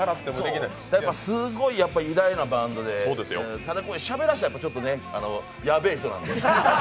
すごい、偉大なバンドでただ、しゃべらしたらちょっとやべぇ人なんで。